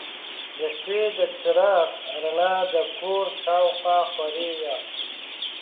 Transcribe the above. د شپې د څراغ رڼا د کور شاوخوا خورې وه.